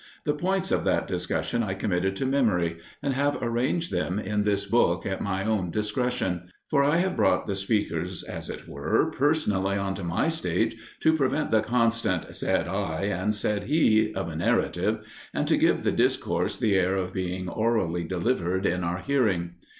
The points of that discussion I committed to memory, and have arranged them in this book at my own discretion. For I have brought the speakers, as it were, personally on to my stage to prevent the constant "said I" and "said he" of a narrative, and to give the discourse the air of being orally delivered in our hearing.